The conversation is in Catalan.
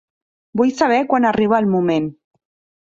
Vull saber quan arriba el moment.